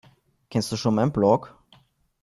Kennst du schon mein Blog?